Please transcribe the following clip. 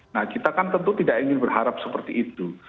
nah kita kan tentu tidak ingin berharap seperti itu